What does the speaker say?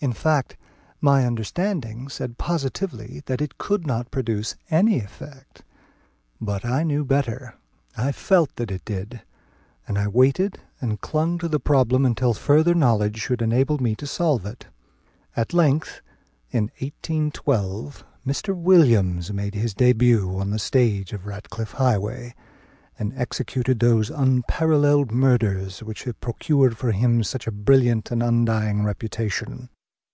In fact, my understanding said positively that it could not produce any effect. But I knew better; I felt that it did; and I waited and clung to the problem until further knowledge should enable me to solve it. At length, in 1812, Mr. Williams made his début on the stage of Ratcliffe Highway, and executed those unparalleled murders which have procured for him such a brilliant and undying reputation.